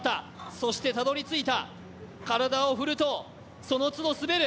そしてたどり着いた、体を振るとその都度滑る。